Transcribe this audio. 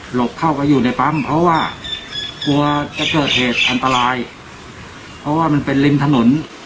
บเข้าไปอยู่ในปั๊มเพราะว่ากลัวจะเกิดเหตุอันตรายเพราะว่ามันเป็นริมถนน